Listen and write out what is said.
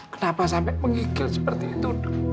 kenapa sampai mengigil seperti itu dok